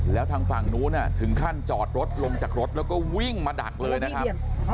แล้วทางฝั่งนู้นถึงขั้นจอดรถลงจากรถแล้วก็วิ่งมาดักเลยนะครับ